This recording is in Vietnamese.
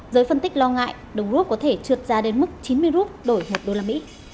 giới phân tích lo ngại đồng rút có thể trượt ra đến mức chín mươi rút đổi một đô la mỹ